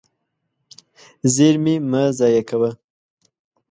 زېرمې مه ضایع کوه.